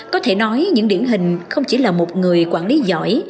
có thể nói những điển hình không chỉ là một người quản lý giỏi